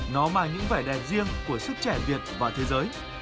nó mang những vẻ đẹp riêng của sức trẻ việt và thế giới